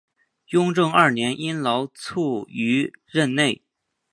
雍正二年因劳卒于任内。